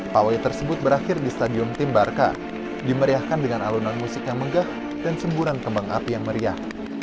pawai tersebut berakhir di stadium tim barka dimeriahkan dengan alunan musik yang megah dan semburan kembang api yang meriah